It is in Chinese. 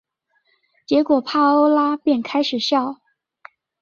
结果帕欧拉便开始笑。